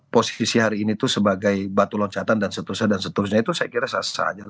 posisi hari ini itu sebagai batu loncatan dan seterusnya dan seterusnya itu saya kira sah sah aja